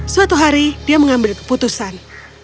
suatu hari dia mengambil keputusan